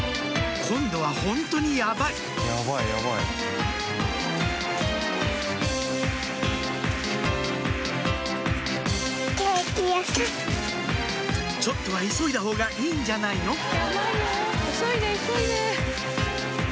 今度はホントにやばいちょっとは急いだほうがいいんじゃないの？